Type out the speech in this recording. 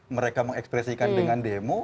mereka mengekspresikan dengan demo